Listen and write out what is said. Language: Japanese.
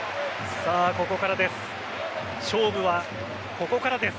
ここからです。